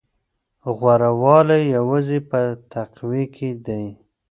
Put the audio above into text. غوره والی یوازې په تقوی کې دی.